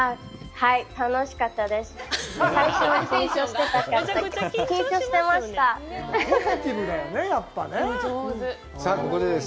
はい、楽しかったです。